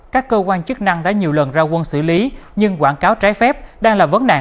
các cơ quan chức năng đã nhiều lần ra quân xử lý nhưng quảng cáo trái phép đang là vấn nạn